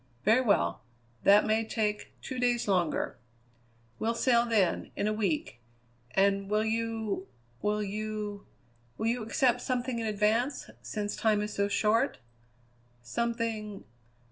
"Very well. That may take two days longer." "We'll sail, then, in a week. And will you will you will you accept something in advance, since time is so short?" "Something